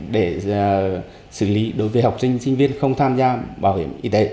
để xử lý đối với học sinh sinh viên không tham gia bảo hiểm y tế